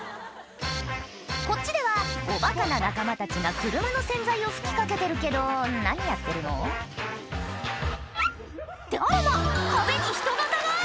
こっちではおバカな仲間たちが車の洗剤を吹きかけてるけど何やってるの？ってあらまっ壁にヒト形が！